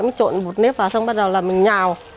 mình trộn bột nếp vào xong bắt đầu là mình nhào